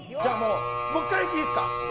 僕からいっていいですか。